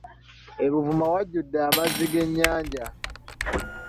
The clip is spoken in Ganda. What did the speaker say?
E Buvuma wajjudde amazzi g’ennyanja.